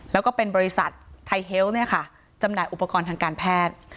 แล้วก็เป็นบริษัทไทยเฮลต์จำหน่ายอุปกรณ์ทางการแพทย์